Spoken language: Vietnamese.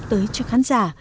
giúp tới cho khán giả